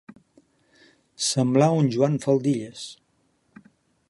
Semblar un Joan faldilles.